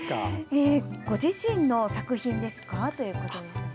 ご自身の作品ですか？ということです。